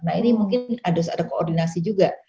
nah ini mungkin harus ada koordinasi juga